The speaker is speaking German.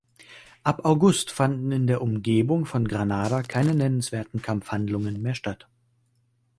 Ab August fanden in der Umgebung von Granada keine nennenswerten Kampfhandlungen mehr statt.